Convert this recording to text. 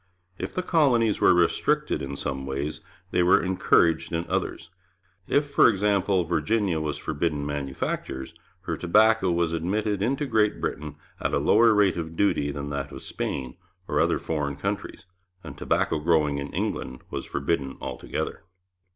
If the colonies were restricted in some ways, they were encouraged in others. If, for example, Virginia was forbidden manufactures, her tobacco was admitted into Great Britain at a lower rate of duty than that of Spain or other foreign countries, and tobacco growing in England was forbidden altogether.